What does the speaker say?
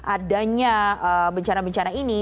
adanya bencana bencana ini